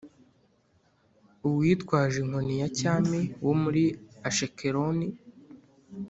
uwitwaje inkoni ya cyami wo muri Ashikeloni,